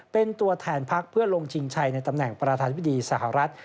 เป็นตัวแทนพักเพื่อลงชิงชัยในตำแหน่งประธานธิบดีสหรัฐ